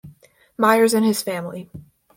Myers and his family.